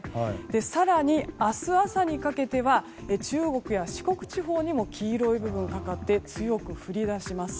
更に明日朝にかけては中国や四国地方などにも黄色い部分がかかって強く降りだします。